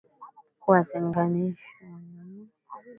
Kuwatenganisha wanyama walioathirika na walio salama